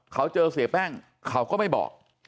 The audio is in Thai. เขาเจอเสียแป้งเขาก็ไม่บอก